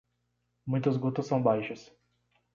Muitas gotas são baixas.